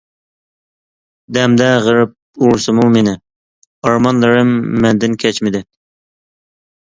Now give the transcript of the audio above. دەمدە غېرىب ئۇرسىمۇ مېنى، ئارمانلىرىم مەندىن كەچمىدى.